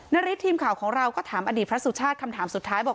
นาริสทีมข่าวของเราก็ถามอดีตพระสุชาติคำถามสุดท้ายบอก